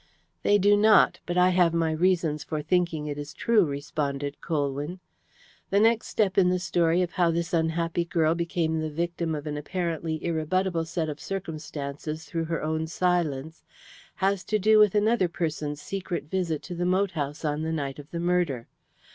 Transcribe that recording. "They do not, but I have my reasons for thinking it true," responded Colwyn. "The next step in the story of how this unhappy girl became the victim of an apparently irrebuttable set of circumstances through her own silence, has to do with another person's secret visit to the moat house on the night of the murder.